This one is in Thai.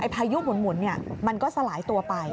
พายุหมุนมันก็สลายตัวไป